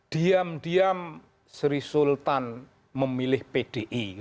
diam diam sri sultan memilih pdi